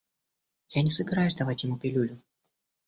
Я не собираюсь давать ему пилюлю.